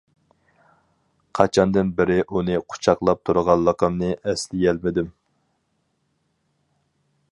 قاچاندىن بىرى ئۇنى قۇچاقلاپ تۇرغانلىقىمنى ئەسلىيەلمىدىم.